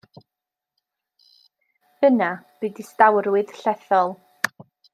Yna bu distawrwydd llethol.